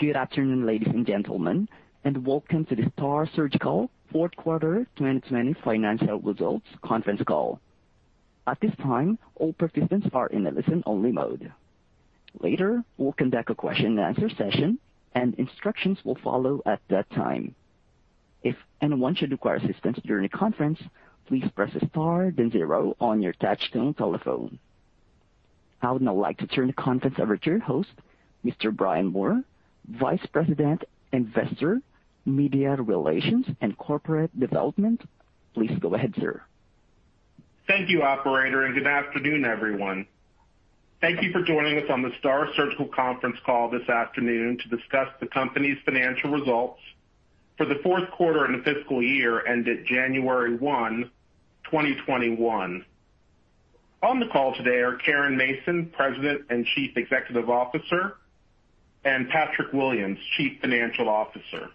Good afternoon, ladies and gentlemen, and welcome to the STAAR Surgical fourth quarter 2020 financial results conference call. At this time, all participants are in a listen only mode. Thank you, operator. Good afternoon, everyone. Thank you for joining us on the STAAR Surgical conference call this afternoon to discuss the company's financial results for the fourth quarter and the fiscal year ended January 1, 2021. On the call today are Caren Mason, President and Chief Executive Officer, and Patrick Williams, Chief Financial Officer.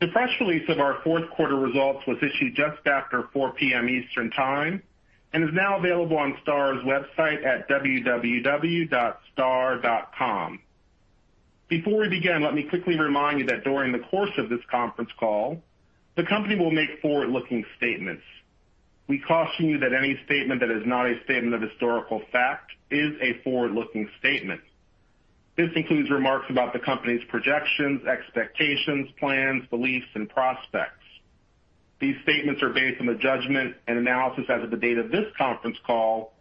The press release of our fourth quarter results was issued just after 4:00 P.M. Eastern Time, and is now available on STAAR's website at www.staar.com. Before we begin, let me quickly remind you that during the course of this conference call, the company will make forward-looking statements. We caution you that any statement that is not a statement of historical fact is a forward-looking statement. This includes remarks about the company's projections, expectations, plans, beliefs, and prospects. These statements are based on the judgment and analysis as of the date of this conference call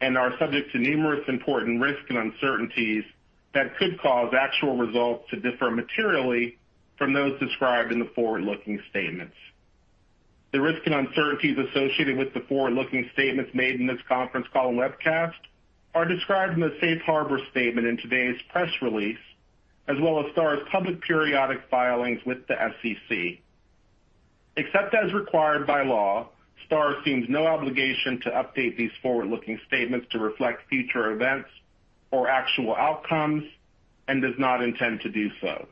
and are subject to numerous important risks and uncertainties that could cause actual results to differ materially from those described in the forward-looking statements. The risks and uncertainties associated with the forward-looking statements made in this conference call and webcast are described in the safe harbor statement in today's press release, as well as STAAR's public periodic filings with the SEC. Except as required by law, STAAR assumes no obligation to update these forward-looking statements to reflect future events or actual outcomes and does not intend to do so.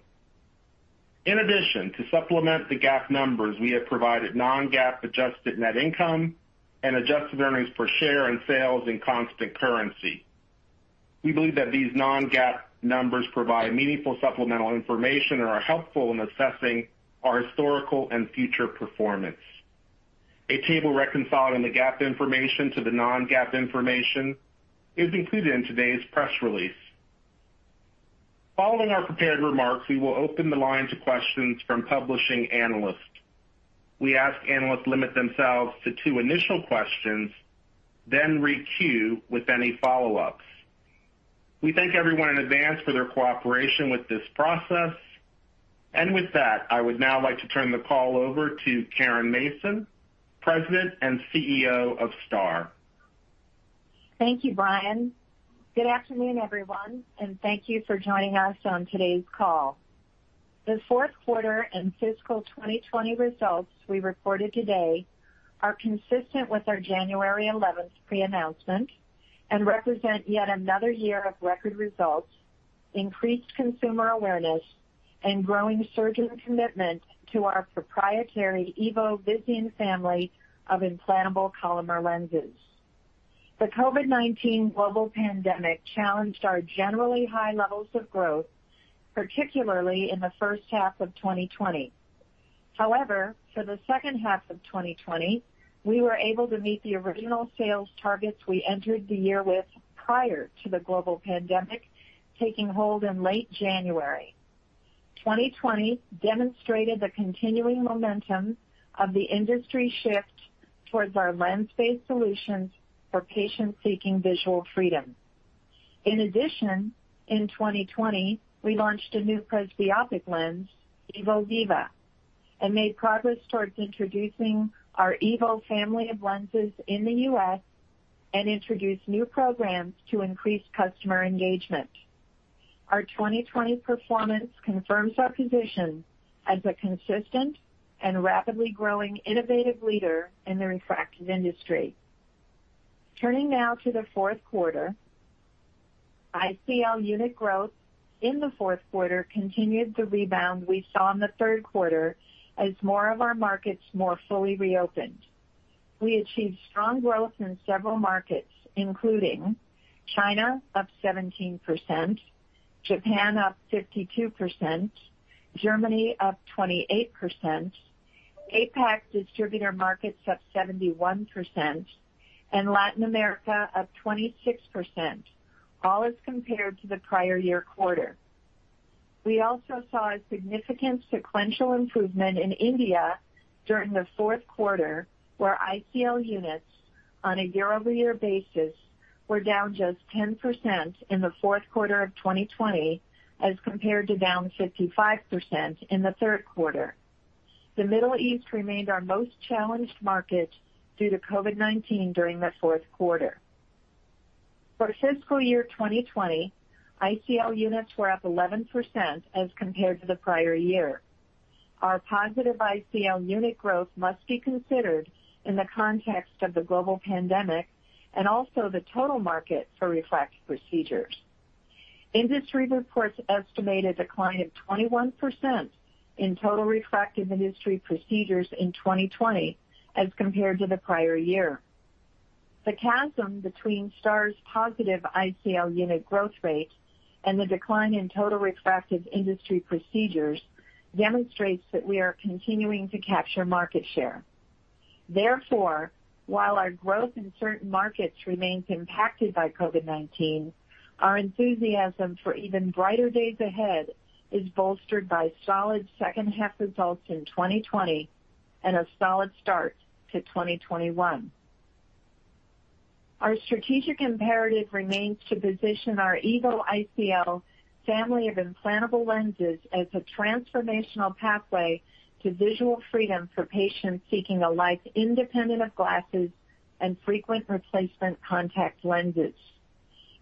In addition, to supplement the GAAP numbers, we have provided non-GAAP adjusted net income and adjusted earnings per share and sales in constant currency. We believe that these non-GAAP numbers provide meaningful supplemental information and are helpful in assessing our historical and future performance. A table reconciling the GAAP information to the non-GAAP information is included in today's press release. Following our prepared remarks, we will open the line to questions from publishing analysts. We ask analysts limit themselves to two initial questions, then re-queue with any follow-ups. We thank everyone in advance for their cooperation with this process. With that, I would now like to turn the call over to Caren Mason, President and Chief Executive Officer of STAAR. Thank you, Brian. Good afternoon, everyone, and thank you for joining us on today's call. The fourth quarter and fiscal 2020 results we reported today are consistent with our January 11th pre-announcement and represent yet another year of record results, increased consumer awareness, and growing surgeon commitment to our proprietary EVO Visian family of implantable Collamer lenses. The COVID-19 global pandemic challenged our generally high levels of growth, particularly in the first half of 2020. However, for the second half of 2020, we were able to meet the original sales targets we entered the year with prior to the global pandemic taking hold in late January. 2020 demonstrated the continuing momentum of the industry shift towards our lens-based solutions for patients seeking visual freedom. In addition, in 2020, we launched a new presbyopic lens, EVO Viva, and made progress towards introducing our EVO family of lenses in the U.S. and introduced new programs to increase customer engagement. Our 2020 performance confirms our position as a consistent and rapidly growing innovative leader in the refractive industry. Turning now to the fourth quarter, ICL unit growth in the fourth quarter continued the rebound we saw in the third quarter as more of our markets more fully reopened. We achieved strong growth in several markets, including China up 17%, Japan up 52%, Germany up 28%, APAC distributor markets up 71%, and Latin America up 26%, all as compared to the prior-year quarter. We also saw a significant sequential improvement in India during the fourth quarter, where ICL units on a year-over-year basis were down just 10% in the fourth quarter of 2020 as compared to down 55% in the third quarter. The Middle East remained our most challenged market due to COVID-19 during the fourth quarter. For fiscal year 2020, ICL units were up 11% as compared to the prior year. Our positive ICL unit growth must be considered in the context of the global pandemic and also the total market for refractive procedures. Industry reports estimate a decline of 21% in total refractive industry procedures in 2020 as compared to the prior year. The chasm between STAAR's positive ICL unit growth rate, and the decline in total refractive industry procedures demonstrates that we are continuing to capture market share. Therefore, while our growth in certain markets remains impacted by COVID-19, our enthusiasm for even brighter days ahead is bolstered by solid second half results in 2020 and a solid start to 2021. Our strategic imperative remains to position our EVO ICL family of implantable lenses as a transformational pathway to visual freedom for patients seeking a life independent of glasses and frequent replacement contact lenses.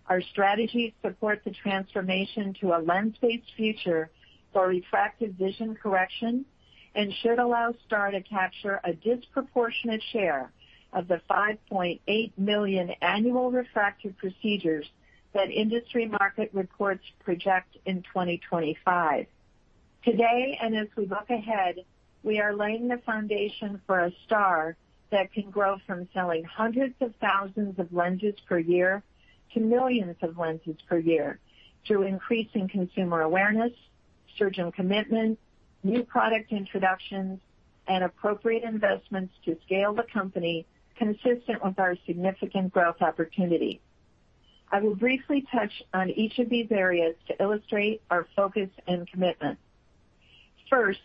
Our strategies support the transformation to a lens-based future for refractive vision correction, and should allow STAAR to capture a disproportionate share of the 5.8 million annual refractive procedures that industry market reports project in 2025. Today, and as we look ahead, we are laying the foundation for a STAAR that can grow from selling hundreds of thousands of lenses per year to millions of lenses per year through increasing consumer awareness, surgeon commitment, new product introductions, and appropriate investments to scale the company consistent with our significant growth opportunity. I will briefly touch on each of these areas to illustrate our focus and commitment. First,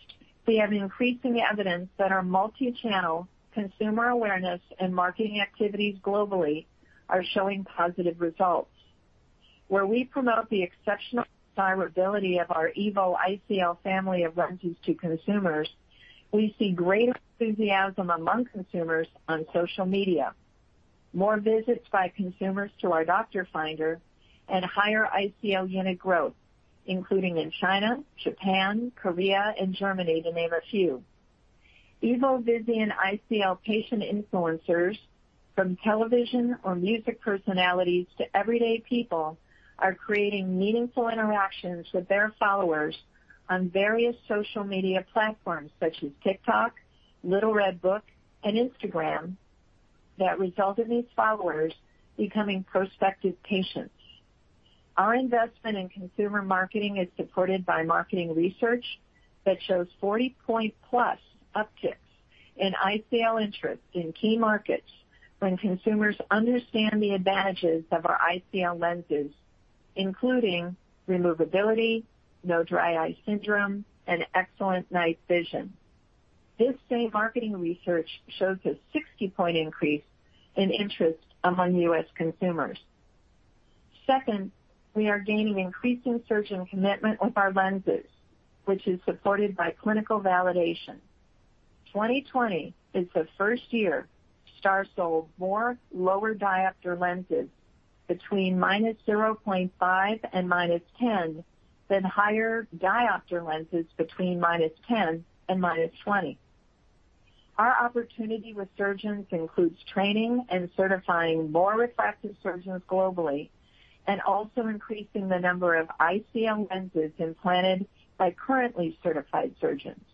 we have increasing evidence that our multi-channel consumer awareness and marketing activities globally are showing positive results. Where we promote the exceptional desirability of our EVO ICL family of lenses to consumers, we see great enthusiasm among consumers on social media, more visits by consumers to our doctor finder, and higher ICL unit growth, including in China, Japan, Korea, and Germany, to name a few. EVO Visian ICL patient influencers from television or music personalities to everyday people are creating meaningful interactions with their followers on various social media platforms such as TikTok, Little Red Book, and Instagram that result in these followers becoming prospective patients. Our investment in consumer marketing is supported by marketing research that shows 40-point plus upticks in ICL interest in key markets when consumers understand the advantages of our ICL lenses, including removability, no dry eye syndrome, and excellent night vision. This same marketing research shows a 60-point increase in interest among U.S. consumers. Second, we are gaining increasing surgeon commitment with our lenses, which is supported by clinical validation. 2020 is the first year STAAR sold more lower diopter lenses between -0.5 and -10 than higher diopter lenses between -10 and -20. Our opportunity with surgeons includes training and certifying more refractive surgeons globally, and also increasing the number of ICL lenses implanted by currently certified surgeons.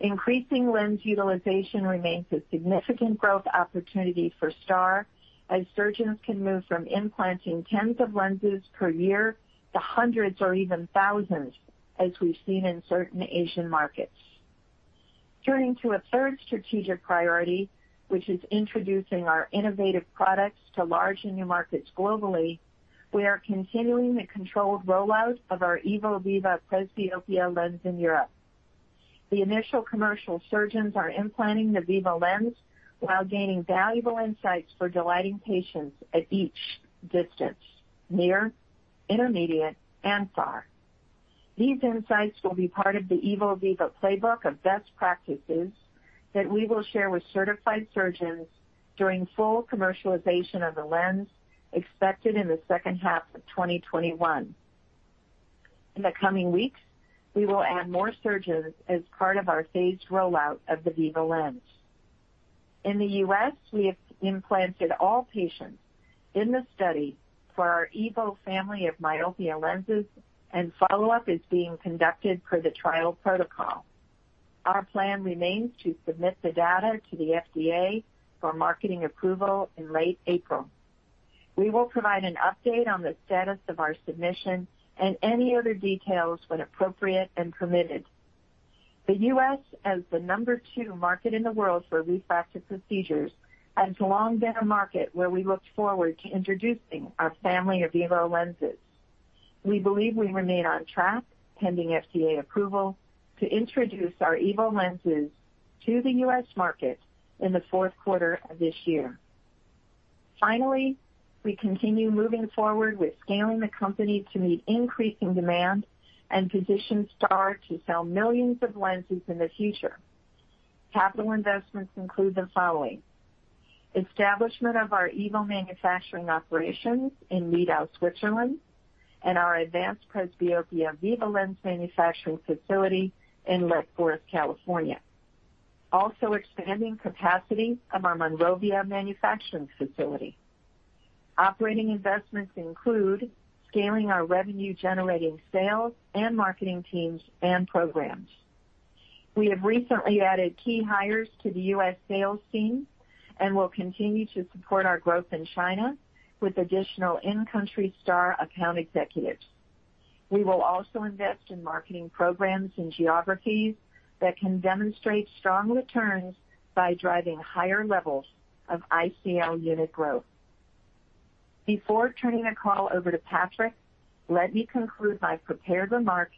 Increasing lens utilization remains a significant growth opportunity for STAAR as surgeons can move from implanting tens of lenses per year to hundreds or even thousands, as we've seen in certain Asian markets. Turning to a third strategic priority, which is introducing our innovative products to large and new markets globally, we are continuing the controlled rollout of our EVO Viva presbyopia lens in Europe. The initial commercial surgeons are implanting the Viva lens while gaining valuable insights for delighting patients at each distance, near, intermediate, and far. These insights will be part of the EVO Viva playbook of best practices that we will share with certified surgeons during full commercialization of the lens expected in the second half of 2021. In the coming weeks, we will add more surgeons as part of our phased rollout of the Viva lens. In the U.S., we have implanted all patients in the study for our EVO family of myopia lenses, and follow-up is being conducted per the trial protocol. Our plan remains to submit the data to the FDA for marketing approval in late April. We will provide an update on the status of our submission and any other details when appropriate and permitted. The U.S., as the number two market in the world for refractive procedures, has long been a market where we looked forward to introducing our family of EVO lenses. We believe we remain on track, pending FDA approval, to introduce our EVO lenses to the U.S. market in the fourth quarter of this year. Finally, we continue moving forward with scaling the company to meet increasing demand and position STAAR to sell millions of lenses in the future. Capital investments include the following. Establishment of our EVO manufacturing operations in Nidau, Switzerland, and our advanced presbyopia Viva lens manufacturing facility in Lake Forest, California. Also expanding capacity of our Monrovia manufacturing facility. Operating investments include scaling our revenue generating sales and marketing teams and programs. We have recently added key hires to the U.S. sales team and will continue to support our growth in China with additional in-country STAAR account executives. We will also invest in marketing programs in geographies that can demonstrate strong returns by driving higher levels of ICL unit growth. Before turning the call over to Patrick, let me conclude my prepared remarks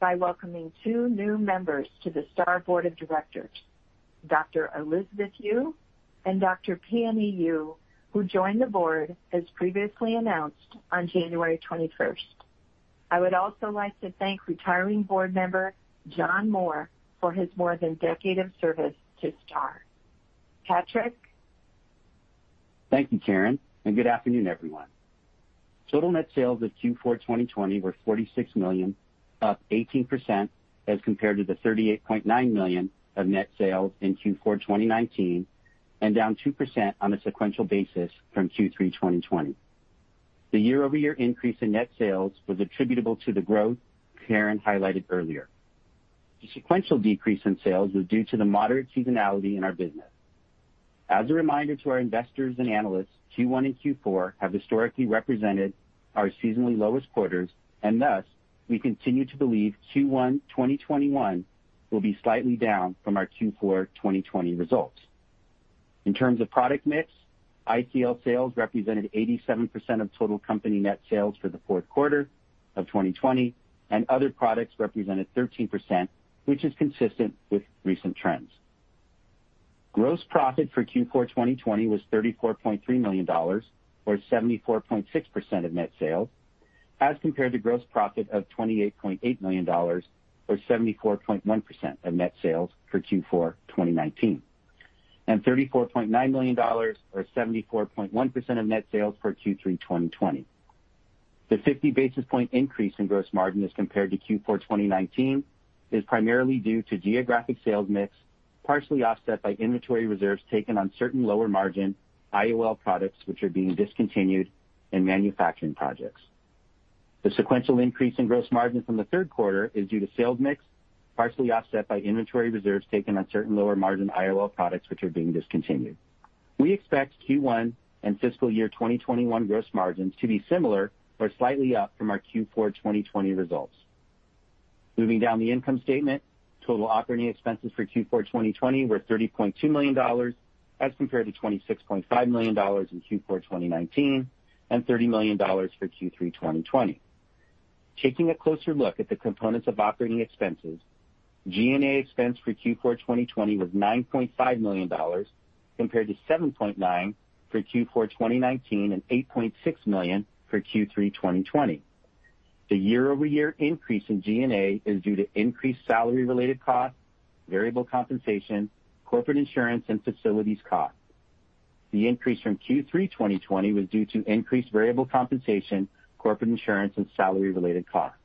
by welcoming two new members to the STAAR Board of Directors, Dr. Elizabeth Yeu and Dr. Peony Yu, who joined the board as previously announced on January 21st. I would also like to thank retiring board member John Moore for his more than decade of service to STAAR. Patrick. Thank you, Caren, and good afternoon, everyone. Total net sales at Q4 2020 were $46 million, up 18%, as compared to the $38.9 million of net sales in Q4 2019 and down 2% on a sequential basis from Q3 2020. The year-over-year increase in net sales was attributable to the growth Caren highlighted earlier. The sequential decrease in sales was due to the moderate seasonality in our business. As a reminder to our investors and analysts, Q1 and Q4 have historically represented our seasonally lowest quarters, and thus, we continue to believe Q1 2021 will be slightly down from our Q4 2020 results. In terms of product mix, ICL sales represented 87% of total company net sales for the fourth quarter of 2020, and other products represented 13%, which is consistent with recent trends. Gross profit for Q4 2020 was $34.3 million, or 74.6% of net sales, as compared to gross profit of $28.8 million, or 74.1% of net sales for Q4 2019, and $34.9 million or 74.1% of net sales for Q3 2020. The 50 basis point increase in gross margin as compared to Q4 2019 is primarily due to geographic sales mix, partially offset by inventory reserves taken on certain lower margin IOL products which are being discontinued in manufacturing projects. The sequential increase in gross margin from the third quarter is due to sales mix, partially offset by inventory reserves taken on certain lower margin IOL products which are being discontinued. We expect Q1 and fiscal year 2021 gross margins to be similar or slightly up from our Q4 2020 results. Moving down the income statement, total operating expenses for Q4 2020 were $30.2 million as compared to $26.5 million in Q4 2019 and $30 million for Q3 2020. Taking a closer look at the components of operating expenses, G&A expense for Q4 2020 was $9.5 million compared to $7.9 million for Q4 2019 and $8.6 million for Q3 2020. The year-over-year increase in G&A is due to increased salary related costs, variable compensation, corporate insurance, and facilities costs. The increase from Q3 2020 was due to increased variable compensation, corporate insurance, and salary related costs.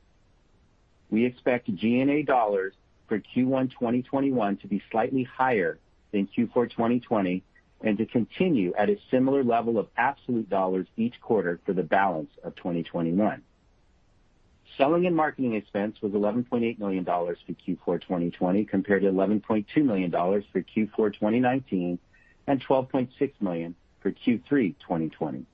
We expect G&A dollars for Q1 2021 to be slightly higher than Q4 2020 and to continue at a similar level of absolute dollars each quarter for the balance of 2021. Selling and marketing expense was $11.8 million for Q4 2020 compared to $11.2 million for Q4 2019 and $12.6 million for Q3 2020.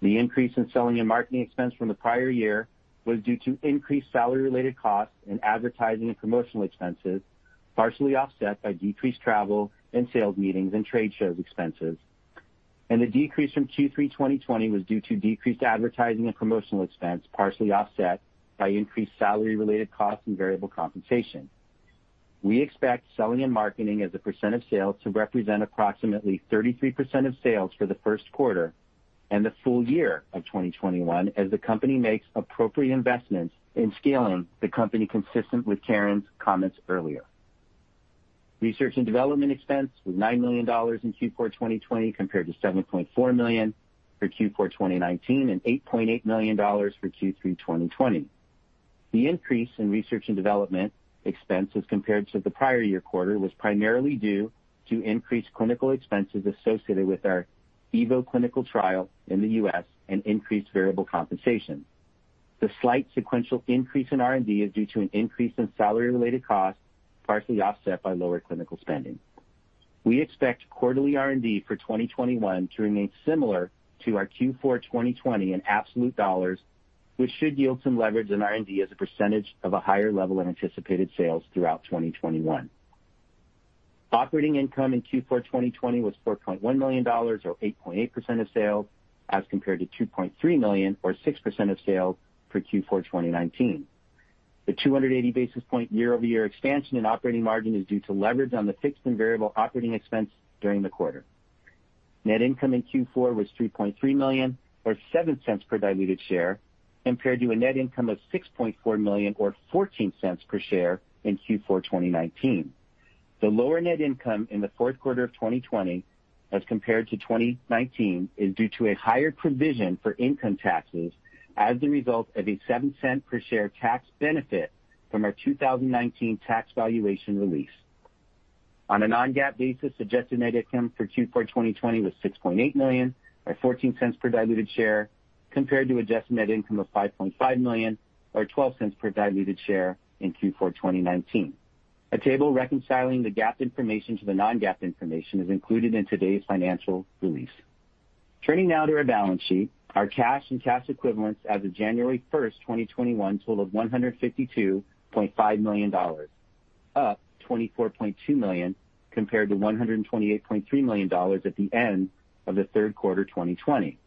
The increase in selling and marketing expense from the prior year was due to increased salary related costs and advertising and promotional expenses, partially offset by decreased travel and sales meetings and trade shows expenses. The decrease from Q3 2020 was due to decreased advertising and promotional expense, partially offset by increased salary related costs and variable compensation. We expect selling and marketing as a percent of sales to represent approximately 33% of sales for the first quarter and the full year of 2021 as the company makes appropriate investments in scaling the company consistent with Caren's comments earlier. Research and development expense was $9 million in Q4 2020 compared to $7.4 million for Q4 2019 and $8.8 million for Q3 2020. The increase in research and development expense as compared to the prior year quarter was primarily due to increased clinical expenses associated with our EVO clinical trial in the U.S. and increased variable compensation. The slight sequential increase in R&D is due to an increase in salary related costs, partially offset by lower clinical spending. We expect quarterly R&D for 2021 to remain similar to our Q4 2020 in absolute dollars, which should yield some leverage in R&D as a percentage of a higher level of anticipated sales throughout 2021. Operating income in Q4 2020 was $4.1 million or 8.8% of sales as compared to $2.3 million or 6% of sales for Q4 2019. The 280 basis point year-over-year expansion in operating margin is due to leverage on the fixed and variable operating expense during the quarter. Net income in Q4 was $3.3 million or $0.07 per diluted share compared to a net income of $6.4 million or $0.14 per share in Q4 2019. The lower net income in the fourth quarter of 2020 as compared to 2019 is due to a higher provision for income taxes as the result of a $0.07 per share tax benefit from our 2019 tax valuation release. On a non-GAAP basis, adjusted net income for Q4 2020 was $6.8 million, or $0.14 per diluted share, compared to adjusted net income of $5.5 million or $0.12 per diluted share in Q4 2019. A table reconciling the GAAP information to the non-GAAP information is included in today's financial release. Turning now to our balance sheet. Our cash and cash equivalents as of January 1st, 2021, totaled $152.5 million, up $24.2 million compared to $128.3 million at the end of the third quarter 2020.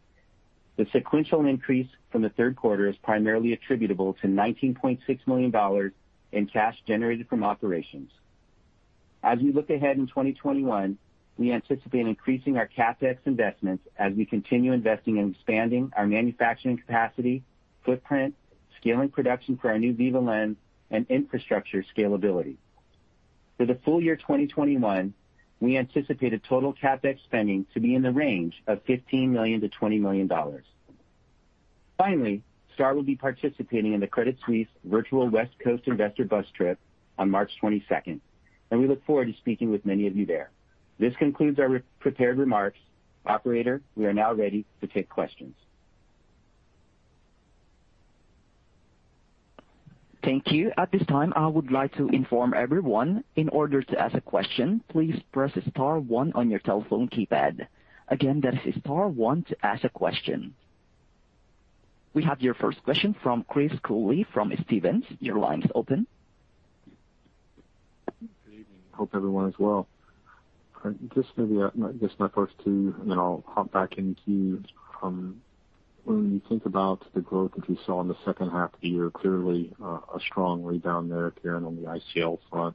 The sequential increase from the third quarter is primarily attributable to $19.6 million in cash generated from operations. As we look ahead in 2021, we anticipate increasing our CapEx investments as we continue investing in expanding our manufacturing capacity, footprint, scaling production for our new Viva lens, and infrastructure scalability. For the full year 2021, we anticipate a total CapEx spending to be in the range of $15 million-$20 million. Finally, STAAR will be participating in the Credit Suisse Virtual West Coast Investor Bus Trip on March 22nd, we look forward to speaking with many of you there. This concludes our prepared remarks. Operator, we are now ready to take questions. Thank you. At this time, I would like to inform everyone, in order to ask a question, please press star one on your telephone keypad. Again, that is star one to ask a question. We have your first question from Chris Cooley from Stephens. Your line is open. Good evening. Hope everyone is well. Just maybe I guess my first two, and then I'll hop back into you. When you think about the growth that you saw in the second half of the year, clearly a strong read down there, Caren, on the ICL front.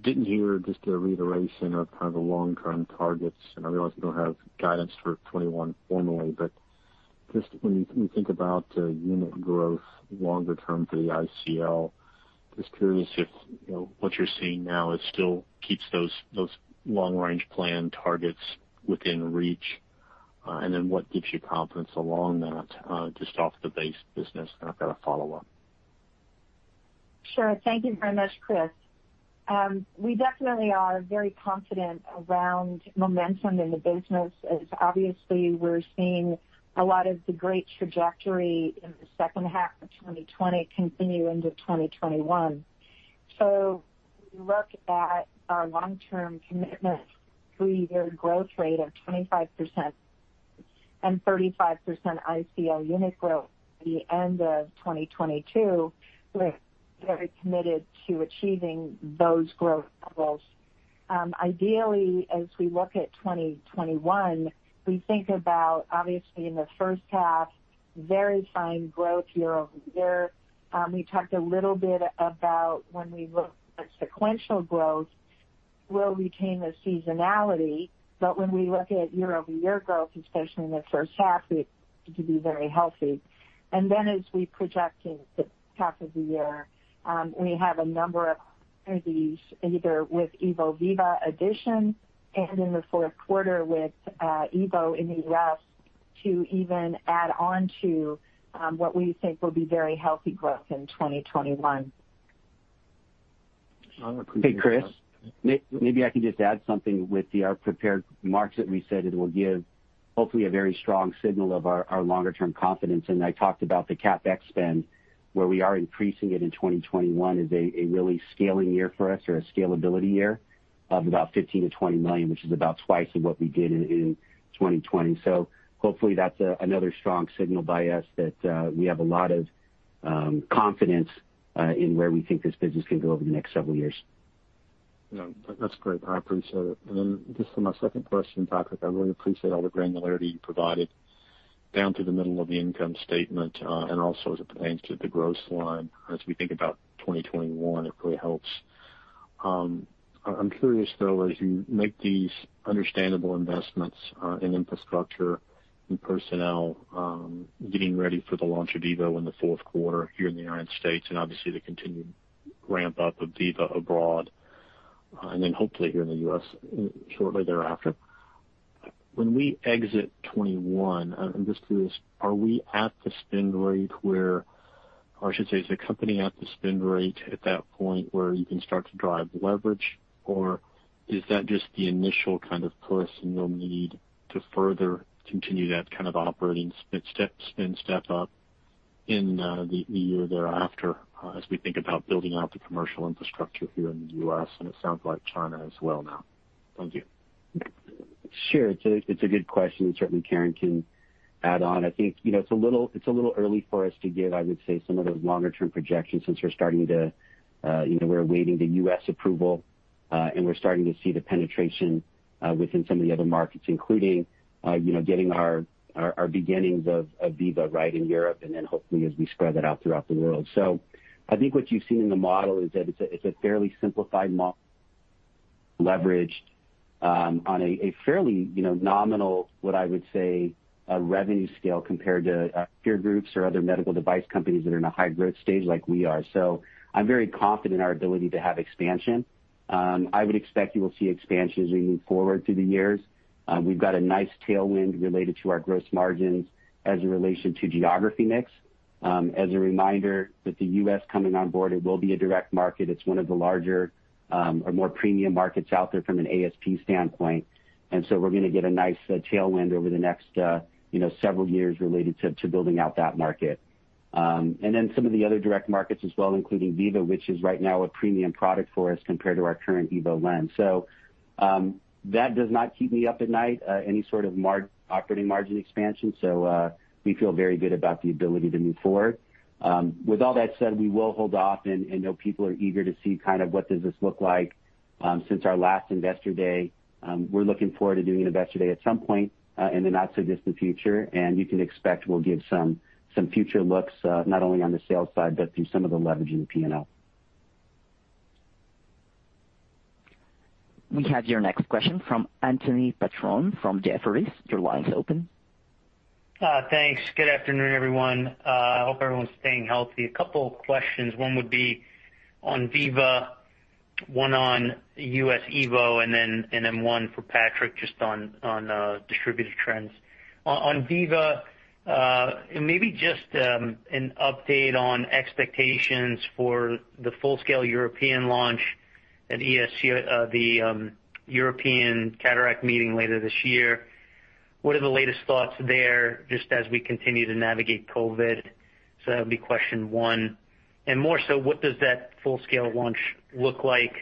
Didn't hear just a reiteration of kind of the long-term targets. I realize we don't have guidance for 21 formally, but just when you think about unit growth longer term for the ICL, just curious if what you're seeing now still keeps those long-range plan targets within reach. Then what gives you confidence along that just off the base business? I've got a follow-up. Sure. Thank you very much, Chris. We definitely are very confident around momentum in the business, as obviously we're seeing a lot of the great trajectory in the second half of 2020 continue into 2021. When we look at our long-term commitment, three-year growth rate of 25% and 35% ICL unit growth by the end of 2022, we're very committed to achieving those growth levels. Ideally, as we look at 2021, we think about, obviously in the first half, very fine growth year-over-year. We talked a little bit about when we look at sequential growth will retain a seasonality, but when we look at year-over-year growth, especially in the first half, it could be very healthy. As we project in the second half of the year, we have a number of opportunities, either with EVO Viva addition and in the fourth quarter with EVO in the U.S., to even add on to what we think will be very healthy growth in 2021. I appreciate that. Hey, Chris, maybe I can just add something with our prepared remarks that we said it will give hopefully a very strong signal of our longer-term confidence. I talked about the CapEx spend, where we are increasing it in 2021 is a really scaling year for us or a scalability year of about $15 million-$20 million, which is about two times of what we did in 2020. Hopefully that's another strong signal by us that we have a lot of confidence in where we think this business can go over the next several years. No, that's great. I appreciate it. Just for my second question, Patrick, I really appreciate all the granularity you provided down to the middle of the income statement and also as it pertains to the growth line as we think about 2021, it really helps. I'm curious, though, as you make these understandable investments in infrastructure and personnel, getting ready for the launch of EVO in the fourth quarter here in the United States and obviously the continued ramp-up of Viva abroad, and then hopefully here in the U.S. shortly thereafter. When we exit 2021, I'm just curious, are we at the spend rate or I should say, is the company at the spend rate at that point where you can start to drive leverage, or is that just the initial kind of push and you'll need to further continue that kind of operating spend step up in the year thereafter as we think about building out the commercial infrastructure here in the U.S. and it sounds like China as well now. Thank you. Sure. It's a good question, and certainly Caren can add on. I think it's a little early for us to give, I would say, some of those longer-term projections since we're awaiting the U.S. approval, and we're starting to see the penetration within some of the other markets, including getting our beginnings of Viva right in Europe and then hopefully as we spread that out throughout the world. I think what you've seen in the model is that it's a fairly simplified model leveraged on a fairly nominal, what I would say revenue scale compared to peer groups or other medical device companies that are in a high-growth stage like we are. I'm very confident in our ability to have expansion. I would expect you will see expansion as we move forward through the years. We've got a nice tailwind related to our gross margins as a relation to geography mix. As a reminder, with the U.S. coming on board, it will be a direct market. It's one of the larger or more premium markets out there from an ASP standpoint. We're going to get a nice tailwind over the next several years related to building out that market. Some of the other direct markets as well, including Viva, which is right now a premium product for us compared to our current EVO lens. That does not keep me up at night, any sort of operating margin expansion, so we feel very good about the ability to move forward. With all that said, we will hold off, and know people are eager to see kind of what does this look like since our last Investor Day. We're looking forward to doing an Investor Day at some point in the not-so-distant future. You can expect we'll give some future looks, not only on the sales side, but through some of the leverage in P&L. We have your next question from Anthony Petrone from Jefferies. Your line is open. Thanks. Good afternoon, everyone. I hope everyone's staying healthy. A couple questions, one would be on Viva, one on U.S. EVO, and then one for Patrick just on distributor trends. On Viva, maybe just an update on expectations for the full-scale European launch at the European Cataract meeting later this year. What are the latest thoughts there, just as we continue to navigate COVID-19? That'll be question one. More so, what does that full-scale launch look like?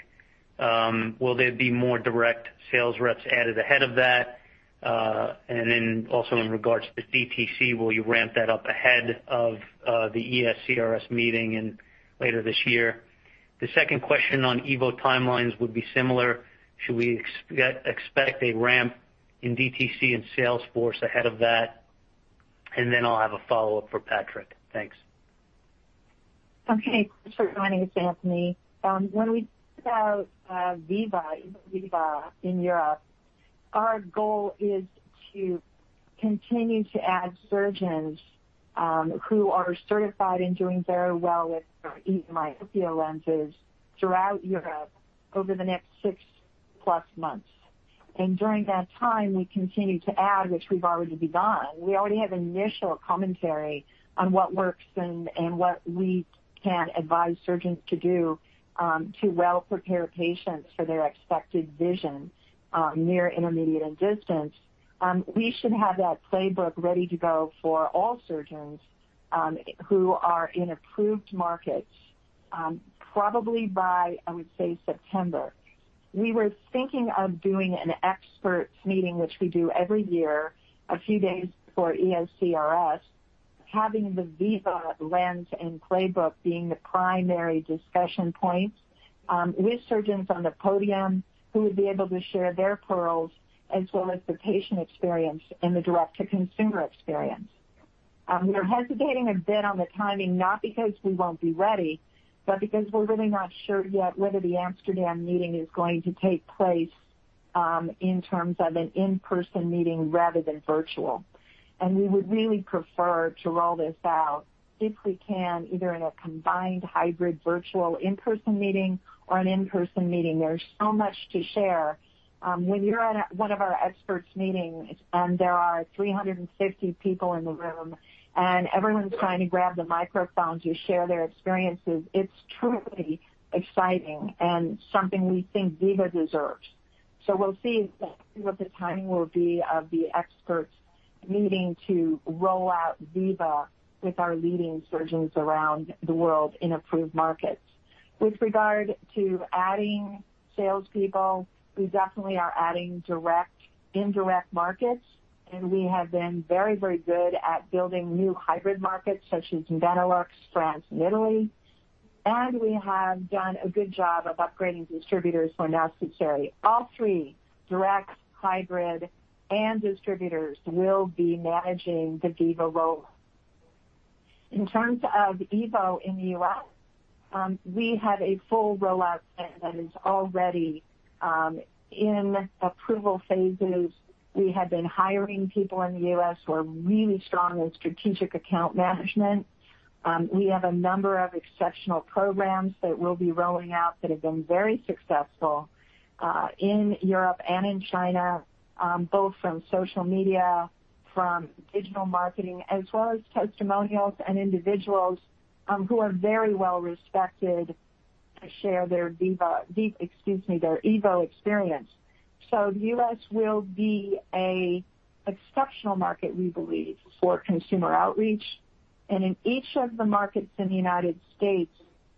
Will there be more direct sales reps added ahead of that? Also in regards to DTC, will you ramp that up ahead of the ESCRS meeting in later this year? The second question on EVO timelines would be similar. Should we expect a ramp in DTC and sales force ahead of that? Then I'll have a follow-up for Patrick. Thanks. Okay. Thanks for joining us, Anthony. When we think about Viva in Europe, our goal is to continue to add surgeons who are certified and doing very well with our EVO myopia lenses throughout Europe over the next six-plus months. During that time, we continue to add, which we've already begun. We already have initial commentary on what works and what we can advise surgeons to do to well prepare patients for their expected vision, near, intermediate, and distance. We should have that playbook ready to go for all surgeons who are in approved markets, probably by, I would say, September. We were thinking of doing an experts meeting, which we do every year, a few days before ESCRS, having the Viva lens and playbook being the primary discussion points with surgeons on the podium who would be able to share their pearls as well as the patient experience and the direct-to-consumer experience. We're hesitating a bit on the timing, not because we won't be ready, but because we're really not sure yet whether the Amsterdam meeting is going to take place in terms of an in-person meeting rather than virtual. We would really prefer to roll this out if we can, either in a combined hybrid virtual in-person meeting or an in-person meeting. There's so much to share. When you're at one of our experts meetings and there are 350 people in the room and everyone's trying to grab the microphone to share their experiences, it's truly exciting and something we think Viva deserves. We'll see exactly what the timing will be of the experts meeting to roll out Viva with our leading surgeons around the world in approved markets. With regard to adding salespeople, we definitely are adding indirect markets, and we have been very, very good at building new hybrid markets such as Benelux, France, and Italy. We have done a good job of upgrading distributors who are now Sakura. All three, direct, hybrid, and distributors will be managing the Viva rollout. In terms of EVO in the U.S., we have a full rollout plan that is already in approval phases. We have been hiring people in the U.S. who are really strong in strategic account management. We have a number of exceptional programs that we'll be rolling out that have been very successful in Europe and in China, both from social media, from digital marketing, as well as testimonials and individuals who are very well respected to share their Viva, excuse me, their EVO experience. The U.S. will be an exceptional market, we believe, for consumer outreach. In each of the markets in the United States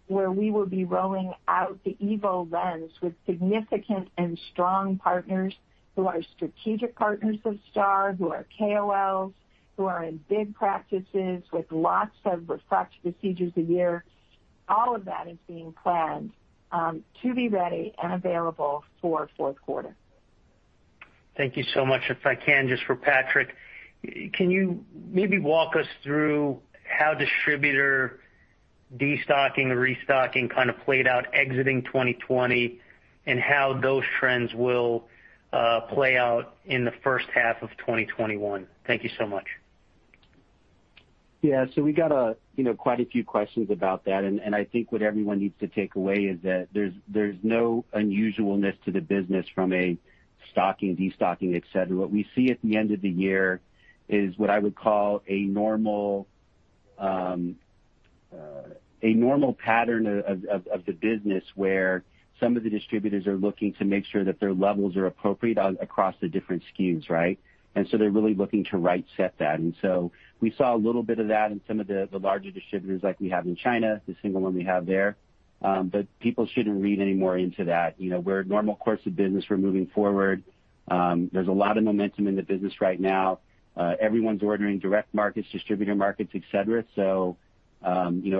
where we will be rolling out the EVO lens with significant and strong partners who are strategic partners of STAAR, who are KOLs, who are in big practices with lots of refractive procedures a year, all of that is being planned to be ready and available for fourth quarter. Thank you so much. If I can, just for Patrick, can you maybe walk us through how distributor destocking, restocking kind of played out exiting 2020, and how those trends will play out in the first half of 2021? Thank you so much. Yeah. We got quite a few questions about that, and I think what everyone needs to take away is that there's no unusualness to the business from stocking, de-stocking, et cetera. What we see at the end of the year is what I would call a normal pattern of the business, where some of the distributors are looking to make sure that their levels are appropriate across the different SKUs, right? They're really looking to right set that. We saw a little bit of that in some of the larger distributors like we have in China, the single one we have there. People shouldn't read any more into that. We're a normal course of business. We're moving forward. There's a lot of momentum in the business right now. Everyone's ordering direct markets, distributor markets, et cetera.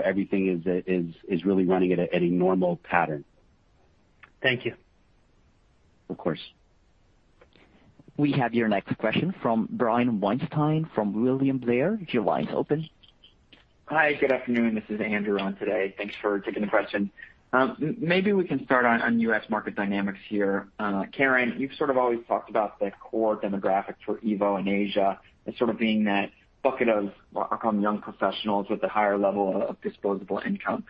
Everything is really running at a normal pattern. Thank you. Of course. We have your next question from Brian Weinstein from William Blair. Your line's open. Hi, good afternoon. This is Andrew on today. Thanks for taking the question. Maybe we can start on U.S. market dynamics here. Caren, you've sort of always talked about the core demographics for EVO in Asia as sort of being that bucket of, I'll call them young professionals with a higher level of disposable income.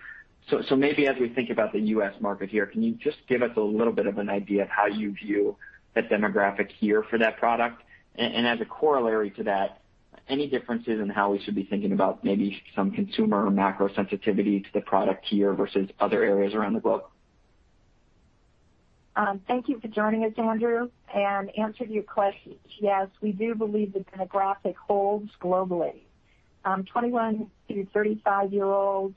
Maybe as we think about the U.S. market here, can you just give us a little bit of an idea of how you view the demographic here for that product? As a corollary to that, any differences in how we should be thinking about maybe some consumer or macro sensitivity to the product here versus other areas around the globe? Thank you for joining us, Andrew, and answer to your question, yes, we do believe the demographic holds globally. 21 through 35-year-olds,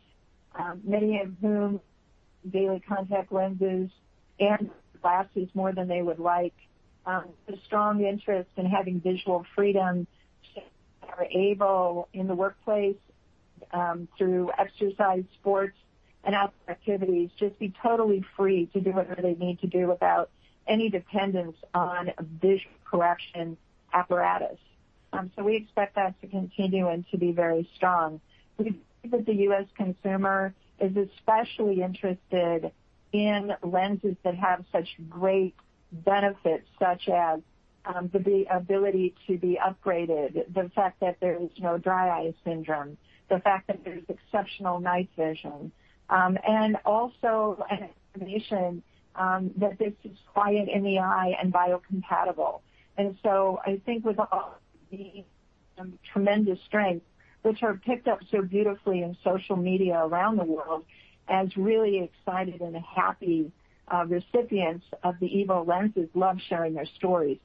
many of whom daily contact lenses and glasses more than they would like. The strong interest in having visual freedom so they are able in the workplace, through exercise, sports, and outdoor activities, just be totally free to do whatever they need to do without any dependence on a visual correction apparatus. We expect that to continue and to be very strong. We believe that the U.S. consumer is especially interested in lenses that have such great benefits, such as the ability to be upgraded, the fact that there is no dry eye syndrome, the fact that there's exceptional night vision, and also an estimation that this is quiet in the eye and biocompatible. I think with all of these tremendous strengths, which are picked up so beautifully in social media around the world as really excited and happy recipients of the EVO lenses love sharing their stories.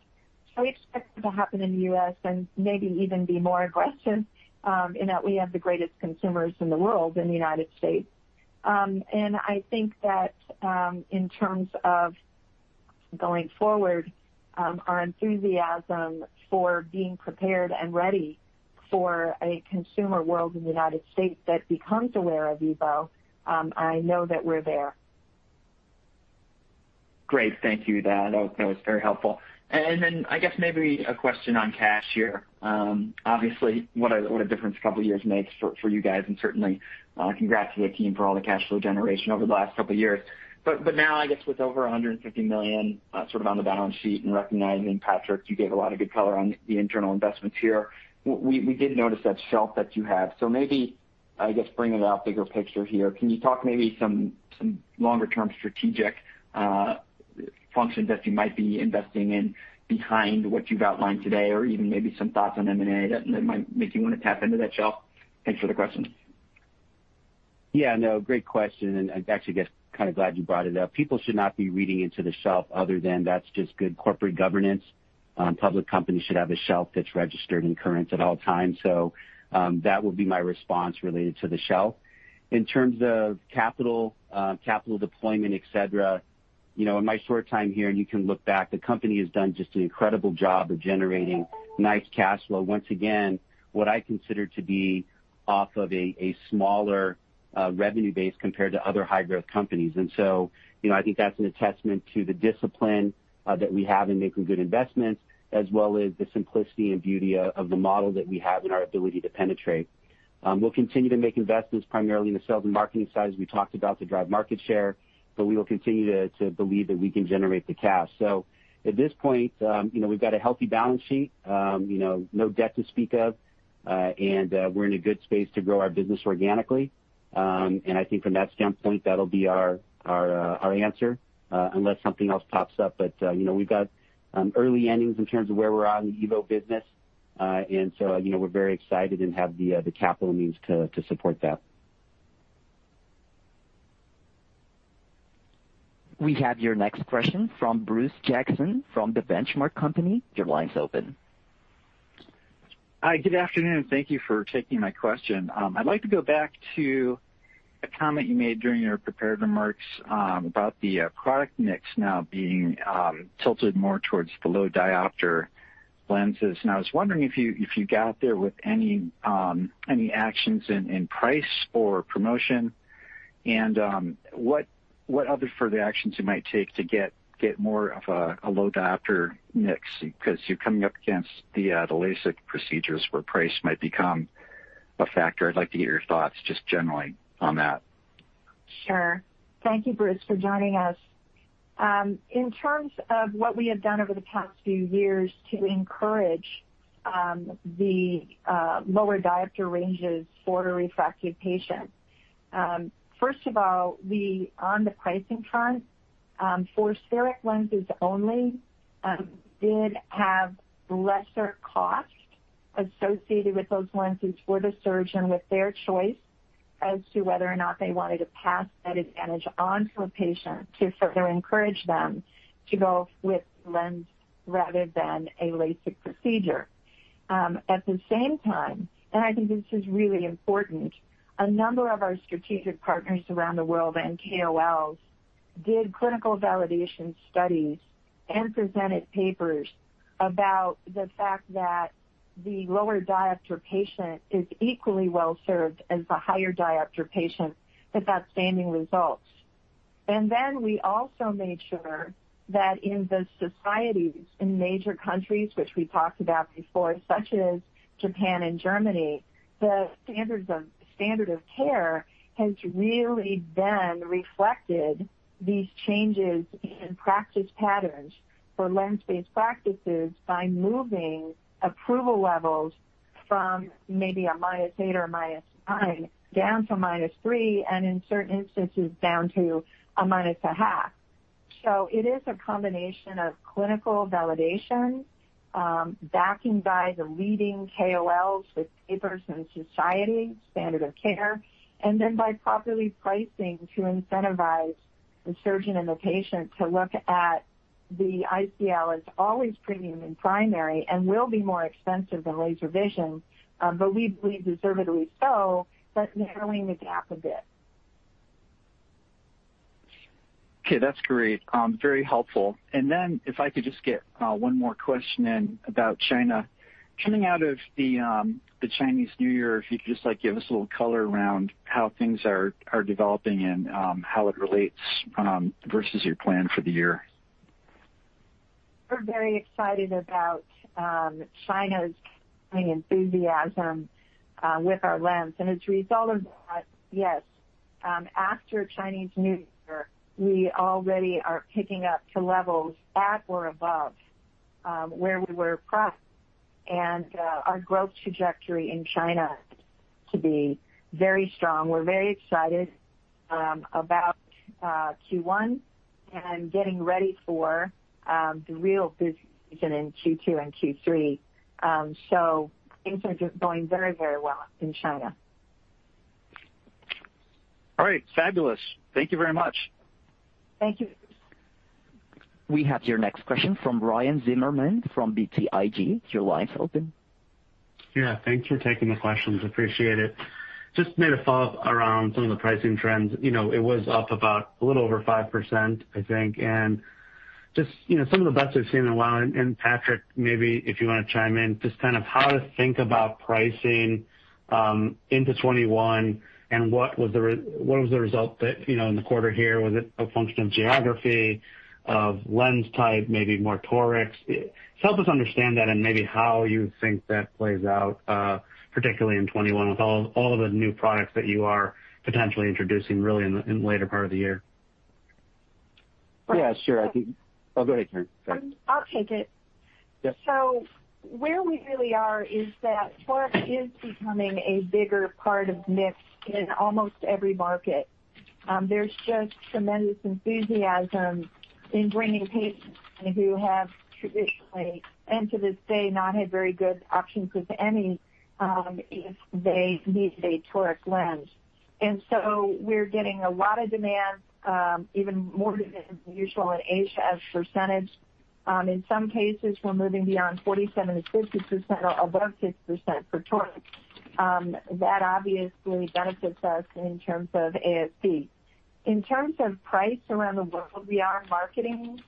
We expect it to happen in the U.S. and maybe even be more aggressive, in that we have the greatest consumers in the world in the United States. I think that in terms of going forward, our enthusiasm for being prepared and ready for a consumer world in the United States that becomes aware of EVO, I know that we're there. Great. Thank you. That was very helpful. I guess maybe a question on cash here. Obviously, what a difference a couple of years makes for you guys, and certainly congrats to the team for all the cash flow generation over the last couple of years. I guess with over $150 million sort of on the balance sheet and recognizing, Patrick, you gave a lot of good color on the internal investments here. We did notice that shelf that you have. I guess bringing it out bigger picture here, can you talk maybe some longer-term strategic functions that you might be investing in behind what you've outlined today, or even maybe some thoughts on M&A that might make you want to tap into that shelf? Thanks for the question. Yeah, no, great question, actually, guess kind of glad you brought it up. People should not be reading into the shelf other than that's just good corporate governance. Public companies should have a shelf that's registered and current at all times. That would be my response related to the shelf. In terms of capital deployment, et cetera, in my short time here, you can look back, the company has done just an incredible job of generating nice cash flow. Once again, what I consider to be off of a smaller revenue base compared to other high-growth companies. I think that's an attestation to the discipline that we have in making good investments, as well as the simplicity and beauty of the model that we have and our ability to penetrate. We'll continue to make investments primarily in the sales and marketing side, as we talked about, to drive market share, we will continue to believe that we can generate the cash. At this point, we've got a healthy balance sheet, no debt to speak of, and we're in a good space to grow our business organically. I think from that standpoint, that'll be our answer unless something else pops up. We've got early innings in terms of where we're at in the EVO business. We're very excited and have the capital means to support that. We have your next question from Bruce Jackson from The Benchmark Company. Your line's open. Hi. Good afternoon. Thank you for taking my question. I'd like to go back to a comment you made during your prepared remarks about the product mix now being tilted more towards the low diopter lenses. I was wondering if you got there with any actions in price or promotion, and what other further actions you might take to get more of a low diopter mix because you're coming up against the LASIK procedures where price might become a factor. I'd like to get your thoughts just generally on that. Sure. Thank you, Bruce, for joining us. In terms of what we have done over the past few years to encourage the lower diopter ranges for our refractive patients. First of all, on the pricing front, for spheric lenses only did have lesser cost associated with those lenses for the surgeon with their choice as to whether or not they wanted to pass that advantage onto a patient to further encourage them to go with lens rather than a LASIK procedure. At the same time, and I think this is really important, a number of our strategic partners around the world and KOLs did clinical validation studies and presented papers about the fact that the lower diopter patient is equally well-served as the higher diopter patient with outstanding results. We also made sure that in the societies in major countries, which we talked about before, such as Japan and Germany, the standard of care has really then reflected these changes in practice patterns for lens-based practices by moving approval levels from maybe a -8 or a -9 down to -3, and in certain instances, down to a -0.5. It is a combination of clinical validation, backing by the leading KOLs with papers in society, standard of care, and then by properly pricing to incentivize the surgeon and the patient to look at the ICL as always premium and primary and will be more expensive than laser vision. We believe deservedly so, but narrowing the gap a bit. Okay. That's great. Very helpful. If I could just get one more question in about China. Coming out of the Chinese New Year, if you could just give us a little color around how things are developing and how it relates versus your plan for the year. We're very excited about China's continuing enthusiasm with our lens. As a result of that, yes, after Chinese New Year, we already are picking up to levels at or above where we were pre. Our growth trajectory in China to be very strong. We're very excited about Q1 and getting ready for the real busy season in Q2 and Q3. Things are just going very well in China. All right. Fabulous. Thank you very much. Thank you. We have your next question from Ryan Zimmerman from BTIG. Your line's open. Yeah. Thanks for taking the questions. Appreciate it. Just maybe to follow up around some of the pricing trends. It was up about a little over 5%, I think, and just some of the best we've seen in a while. Patrick, maybe if you want to chime in, just how to think about pricing into 2021, and what was the result in the quarter here. Was it a function of geography, of lens type, maybe more torics? Just help us understand that and maybe how you think that plays out, particularly in 2021 with all of the new products that you are potentially introducing really in the later part of the year. Yeah, sure. Oh, go ahead, Caren. Sorry. I'll take it. Yeah. Where we really are is that toric is becoming a bigger part of mix in almost every market. There's just tremendous enthusiasm in bringing patients who have traditionally, and to this day, not had very good options with any, if they need a toric lens. We're getting a lot of demand, even more than usual in Asia as percentage. In some cases, we're moving beyond 47%-50% or above 50% for torics. That obviously benefits us in terms of ASP. In terms of price around the world, we are marketing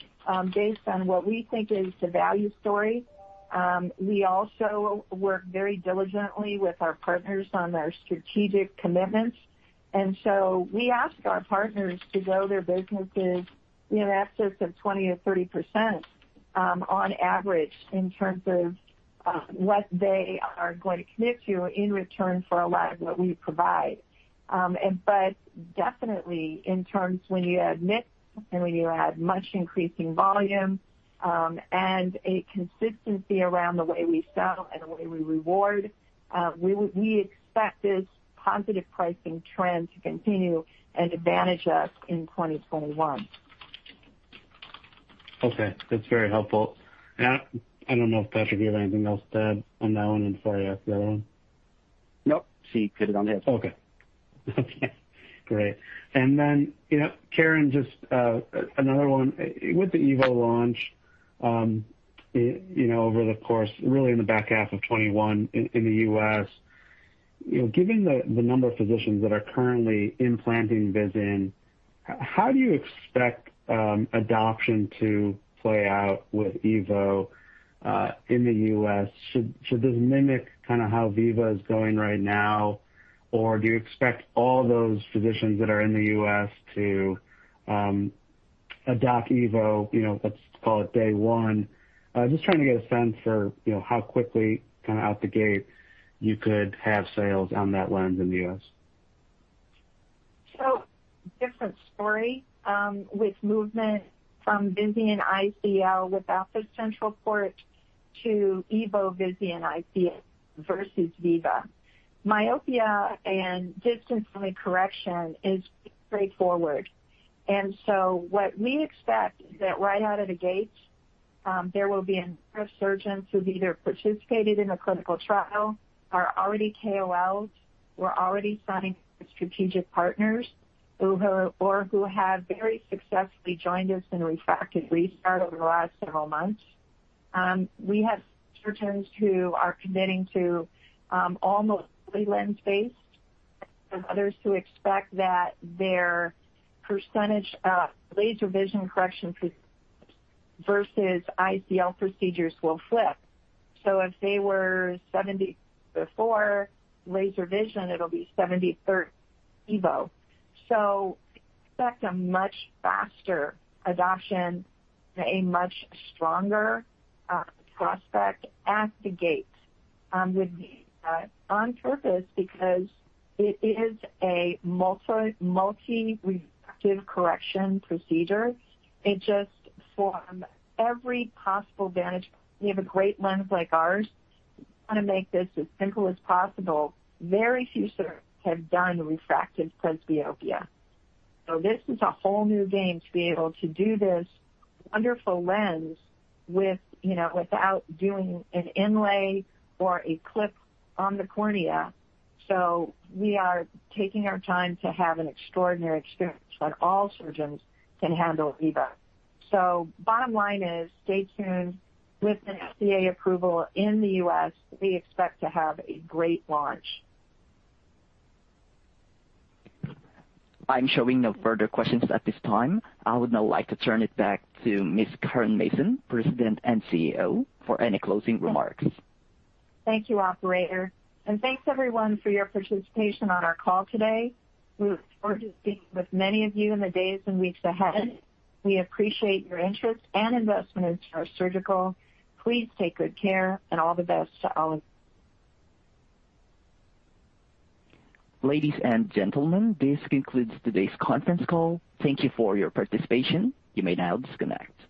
based on what we think is the value story. We also work very diligently with our partners on their strategic commitments. We ask our partners to grow their businesses in excess of 20% or 30%, on average, in terms of what they are going to commit to in return for a lot of what we provide. Definitely, in terms when you have mix and when you have much increasing volume, and a consistency around the way we sell and the way we reward, we expect this positive pricing trend to continue and advantage us in 2021. Okay. That's very helpful. I don't know if, Patrick, you have anything else to add on that one before I ask the other one. Nope. She covered it on the head. Okay. Great. Caren, just another one. With the EVO launch, over the course, really in the back half of 2021 in the U.S., given the number of physicians that are currently implanting Visian, how do you expect adoption to play out with EVO in the U.S.? Should this mimic how Viva is going right now, or do you expect all those physicians that are in the U.S. to adopt EVO, let's call it day one? Just trying to get a sense for how quickly out the gate you could have sales on that lens in the U.S. Different story with movement from Visian ICL without the central port to EVO Visian ICL versus Viva. Myopia and distance-only correction is straightforward, what we expect is that right out of the gate, there will be a number of surgeons who have either participated in a clinical trial, are already KOLs, who are already signed with strategic partners, or who have very successfully joined us in refractive restart over the last several months. We have surgeons who are committing to almost fully lens-based, others who expect that their percentage of laser vision correction procedures versus ICL procedures will flip. If they were 70/40 laser vision, it'll be 70/30 EVO. Expect a much faster adoption and a much stronger prospect at the gate with Viva. On purpose, because it is a multi-refractive correction procedure. It just, from every possible vantage point, we have a great lens like ours. We want to make this as simple as possible. Very few surgeons have done refractive presbyopia, so this is a whole new game to be able to do this wonderful lens without doing an inlay or a clip on the cornea. We are taking our time to have an extraordinary experience that all surgeons can handle Viva. Bottom line is, stay tuned with an FDA approval in the U.S., we expect to have a great launch. I'm showing no further questions at this time. I would now like to turn it back to Ms. Caren Mason, President and CEO, for any closing remarks. Thank you, operator. Thanks, everyone, for your participation on our call today. We look forward to speaking with many of you in the days and weeks ahead. We appreciate your interest and investment in STAAR Surgical. Please take good care, and all the best to all of you. Ladies and gentlemen, this concludes today's conference call. Thank you for your participation. You may now disconnect.